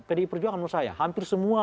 pdi perjuangan menurut saya hampir semua